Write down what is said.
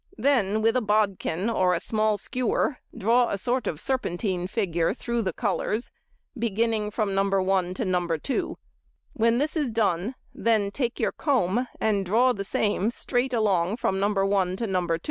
Then with a bodkin or a small skewer draw a sort of a serpentine figure through the colours, beginning from No. 1 to No. 2; when this is done, then take your comb and draw the same straight along from |77| No. 1 to No. 2.